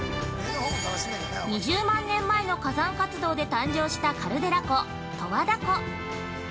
２０万年前の火山活動で誕生したカルデラ湖、十和田湖。